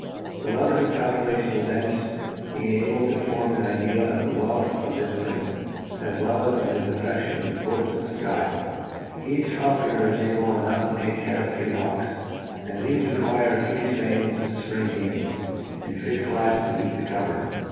. The lovers of calculation will thence be enabled to forni an idea of the wealth of this prince, as well as of his affedion for the fports of the iky* Each faul coner is able enough to take care of three hawks; and thefe req^re three fpaniels to fpring«game^ and fix lads to beat, the covers.